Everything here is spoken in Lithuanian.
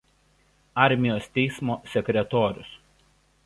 Armijos teismo sekretorius.